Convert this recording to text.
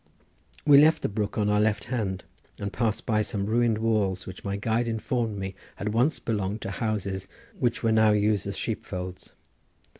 We left the brook on our left hand and passed by some ruined walls which my guide informed me had once belonged to houses but were now used as sheep folds.